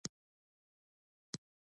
د غولي په منځ کښې يې د اوبو لوى ډنډ و.